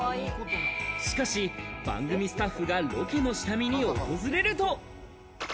しかし、番組スタッフがロケの下見に訪れると。